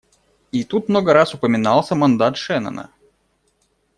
И тут много раз упоминался мандат Шеннона.